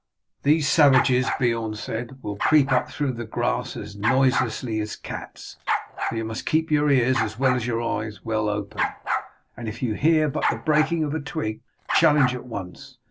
"These savages," Beorn said, "will creep up through the grass as noiselessly as cats, so you must keep your ears as well as your eyes well open; and if you hear but the breaking of a twig challenge at once.